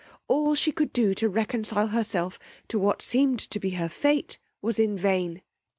All she could do to reconcile herself to what seemed to be her fate was in vain.